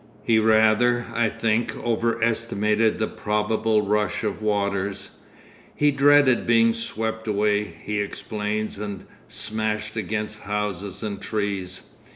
He rather, I think, overestimated the probable rush of waters; he dreaded being swept away, he explains, and smashed against houses and trees.